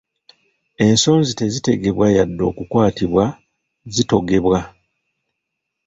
Ensonzi tezitegebwa yadde okukwatibwa zitogebwa.